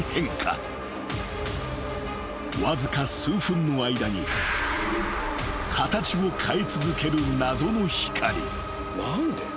［わずか数分の間に形を変え続ける謎の光］